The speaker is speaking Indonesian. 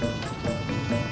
terima kasih pak